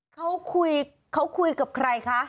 เขาคุยเขาคุยกับใครคะ